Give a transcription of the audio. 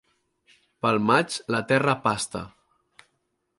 Pel maig la terra pasta.